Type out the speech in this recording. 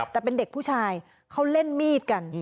แต่เป็นเด็กผู้ชายเขาเล่นมีดกัน